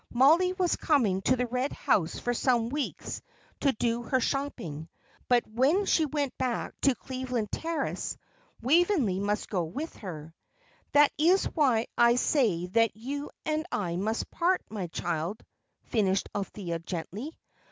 Mollie was coming to the Red House for some weeks to do her shopping, but when she went back to Cleveland Terrace, Waveney must go with her. "That is why I say that you and I must part, my child," finished Althea, gently.